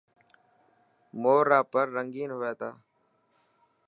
مور را پر رنگين هئي تا.